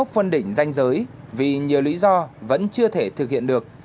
vì nhiều lý do vẫn chưa thể thực hiện được